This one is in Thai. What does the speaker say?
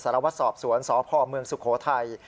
สารวัตรสอบสวนสพเมืองสุโขทัย